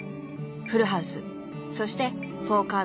［フルハウスそして４カードと］